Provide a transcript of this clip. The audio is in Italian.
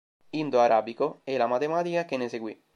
Indo-Arabico e la matematica che ne seguì.